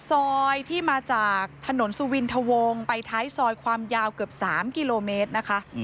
ซอยที่มาจากถนนสุวินทะวงไปท้ายซอยความยาวเกือบ๓กิโลเมตรนะคะ